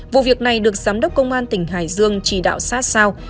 vụ việc này được giám đốc công an tỉnh hải dương chỉ đạo sát sao